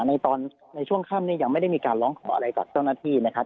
ในตอนในช่วงค่ำนี้ยังไม่ได้ร้องขาอะไรกับเจ้าหน้าที่นะครับ